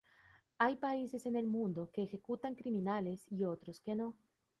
Hay países en el mundo que ejecutan criminales y otros que no.